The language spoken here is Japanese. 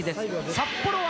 札幌は。